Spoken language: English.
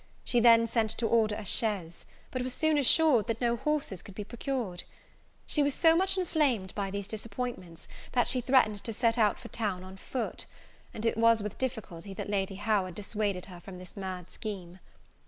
She then sent to order a chaise; but was soon assured, that no horses could be procured. She was so much inflamed by these disappointments, that she threatened to set out for town on foot; and it was with difficulty that Lady Howard dissuaded her from this mad scheme.